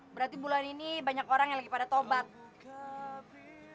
berarti bulan ini banyak orang yang lagi pada tobat